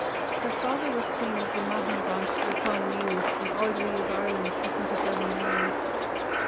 Her father was king of the Meathan branch of the Clan Nial, and ard ri of Ireland for thirty seven years.